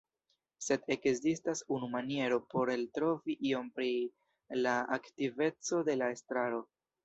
Sed ekzistas unu maniero por eltrovi iom pri la aktiveco de la estraro.